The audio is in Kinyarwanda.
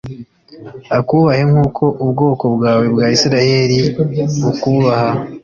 akubahe nk'uko ubwoko bwawe bwa isirayeli bukubaha